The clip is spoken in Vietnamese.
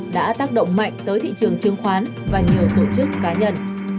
đã tác động mạnh tới thị trường chứng khoán và nhiều tổ chức cá nhân